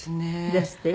ですってよ。